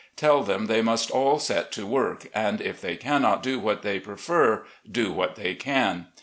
Tell them they must all set to work, and if 'they cannot do what they prefer, do what they can.